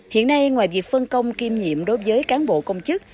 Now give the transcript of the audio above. hiện nay ngoài việc phân công kiêm nhiệm đối với cán bộ công chức